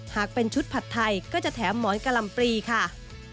หากเป็นชุดผัดไทยก็จะแถมหมอนกะลำปรีค่ะ